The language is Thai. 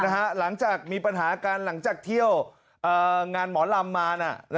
หลังจากมีปัญหากันหลังจากเที่ยวงานหมอลำมา